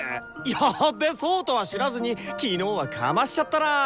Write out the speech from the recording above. やっべそうとは知らずに昨日はかましちゃったな。